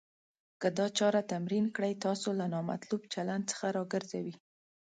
که دا چاره تمرین کړئ. تاسو له نامطلوب چلند څخه راګرځوي.